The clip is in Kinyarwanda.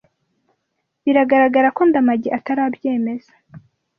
Biragaragara ko Ndamage atarabyemeza.